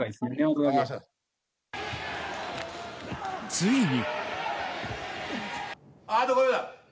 ついに。